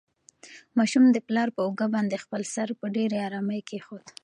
ماشوم د پلار په اوږه باندې خپل سر په ډېرې ارامۍ کېښود.